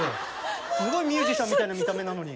すごいミュージシャンみたいな見た目なのに。